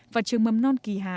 và trường mầm non kỳ hà